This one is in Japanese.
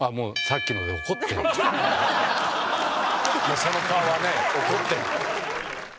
その顔はね怒ってる。